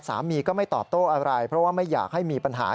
สามีก็ไม่ตอบโต้อะไรเพราะว่าไม่อยากให้มีปัญหา